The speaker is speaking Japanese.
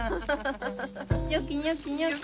ニョキニョキニョキ。